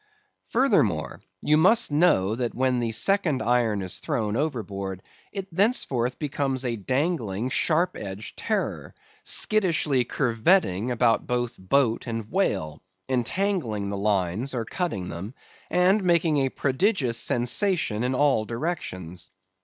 Furthermore: you must know that when the second iron is thrown overboard, it thenceforth becomes a dangling, sharp edged terror, skittishly curvetting about both boat and whale, entangling the lines, or cutting them, and making a prodigious sensation in all directions.